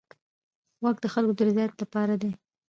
واک د خلکو د رضایت لپاره دی.